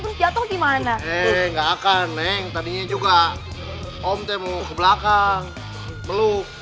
pun jatuh gimana neng gak akan neng tadinya juga om teh mau ke belakang meluk